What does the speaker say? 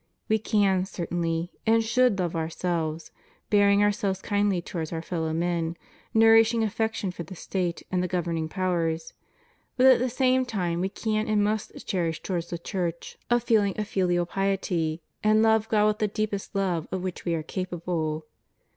^ We can, certainly, and should love ourselves, bear our selves kindly towards our fellow men, nourish affection for the State and the governing powers; but at the same time we can and must cherish towards the Church a feeling *2i«rk xvL 16. 184 CHIEF DUTIES OF CHRISTIANS AS CITIZENS, of filial piety, and love God with the deepest love of which we are capable.